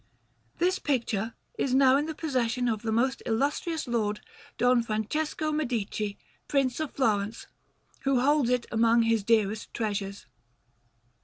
This picture is now in the possession of the most Illustrious Lord, Don Francesco Medici, Prince of Florence, who holds it among his dearest treasures.